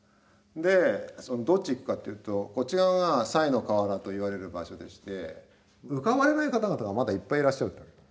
でどっち行くかっていうとこちらが賽の河原といわれる場所でして浮かばれない方々がまだいっぱいいらっしゃると。